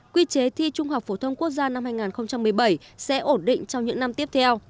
quy chế thi trung học phổ thông quốc gia năm hai nghìn một mươi bảy sẽ ổn định trong những năm tiếp theo